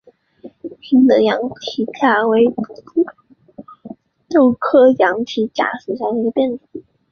英德羊蹄甲为豆科羊蹄甲属下的一个变种。